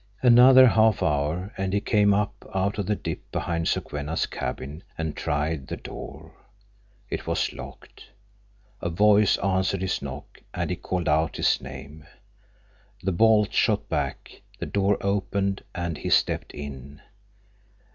Another half hour, and he came up out of the dip behind Sokwenna's cabin and tried the door. It was locked. A voice answered his knock, and he called out his name. The bolt shot back, the door opened, and he stepped in.